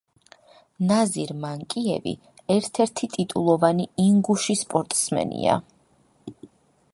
ნაზირ მანკიევი ერთ-ერთი ტიტულოვანი ინგუში სპორტსმენია.